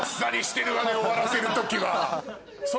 終わらせる時は。